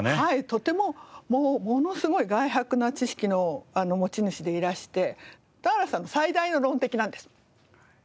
とてももうものすごい該博な知識の持ち主でいらして田原さんの最大の論敵なんです。